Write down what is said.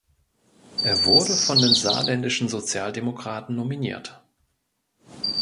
Er wurde von den saarländischen Sozialdemokraten nominiert.